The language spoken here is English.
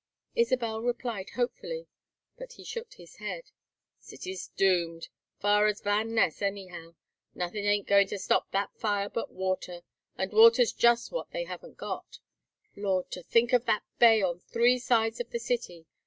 Isabel replied hopefully, but he shook his head. "City's doomed. Far as Van Ness, anyhow. Nothin' ain't goin' to stop that fire but water, and water's just what they haven't got. Lord! to think of that bay on three sides of the city.